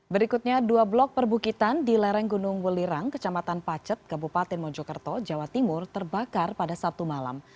berikutnya dua blok perbukitan di lereng gunung welirang kecamatan pacet kabupaten mojokerto jawa timur terbakar pada sabtu malam